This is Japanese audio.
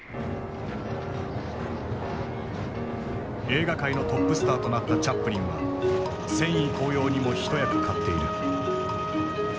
映画界のトップスターとなったチャップリンは戦意高揚にも一役買っている。